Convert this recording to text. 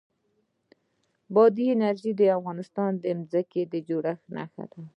بادي انرژي د افغانستان د ځمکې د جوړښت نښه ده.